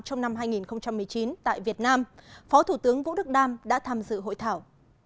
trong năm hai nghìn một mươi chín tại việt nam phó thủ tướng vũ đức đam đã tham dự hội thảo